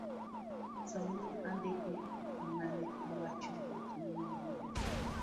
samoro andike emane owacho weche mangeny.